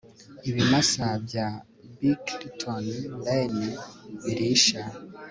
ibimasa bya bickerton lane birisha